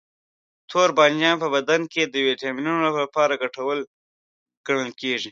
توربانجان په بدن کې د ویټامینونو لپاره ګټور ګڼل کېږي.